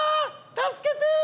助けてー！